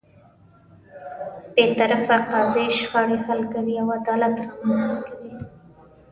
بېطرفه قاضی شخړې حل کوي او عدالت رامنځته کوي.